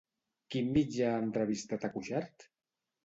Quin mitjà ha entrevistat a Cuixart?